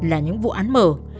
là những vụ án mở